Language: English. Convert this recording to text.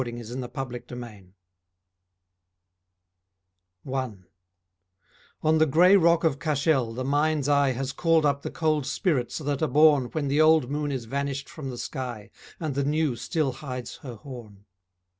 THE DOUBLE VISION OF MICHAEL ROBARTES I On the grey rock of Cashel the mind's eye Has called up the cold spirits that are born When the old moon is vanished from the sky And the new still hides her horn.